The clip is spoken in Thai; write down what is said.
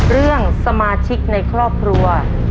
เรื่องสมาชิกในครอบครัว